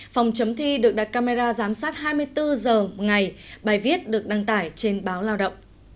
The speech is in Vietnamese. phòng chấm thi được đặt camera giám sát hai mươi bốn h một ngày bài viết được đăng tải trên báo lao động